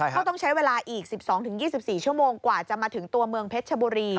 เขาต้องใช้เวลาอีก๑๒๒๔ชั่วโมงกว่าจะมาถึงตัวเมืองเพชรชบุรี